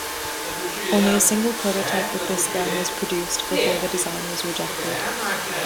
Only a single prototype with this gun was produced before the design was rejected.